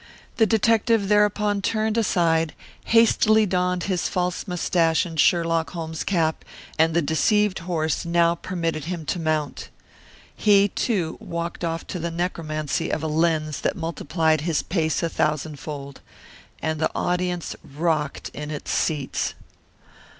The detective thereupon turned aside, hastily donned his false mustache and Sherlock Holmes cap, and the deceived horse now permitted him to mount. He, too, walked off to the necromancy of a lens that multiplied his pace a thousandfold. And the audience rocked in its seats.